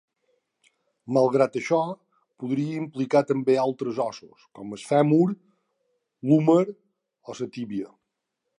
Malgrat això, podria implicar també altres ossos com el fèmur, l'húmer o la tíbia.